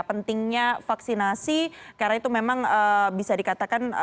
pentingnya vaksinasi karena itu memang bisa dikatakan